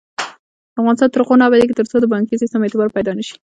افغانستان تر هغو نه ابادیږي، ترڅو د بانکي سیستم اعتبار پیدا نشي.